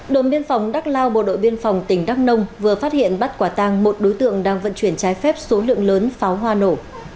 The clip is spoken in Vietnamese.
đồn biên phòng đắc lao bộ đội biên phòng tỉnh đắk nông vừa phát hiện bắt quả tàng một đối tượng đang vận chuyển trái phép số lượng lớn pháo hoa nổ